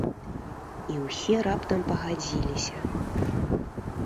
І ўсе раптам пагадзіліся.